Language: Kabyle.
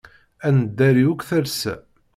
Ad neddari akk talsa.